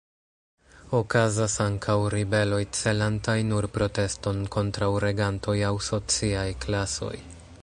Okazas ankaŭ ribeloj celantaj nur proteston kontraŭ regantoj aŭ sociaj klasoj.